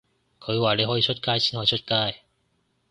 佢話你可以出街先可以出街